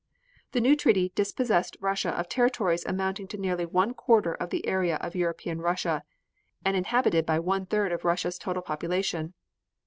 The new treaty dispossessed Russia of territories amounting to nearly one quarter of the area of European Russia, and inhabited by one third of Russia's total population.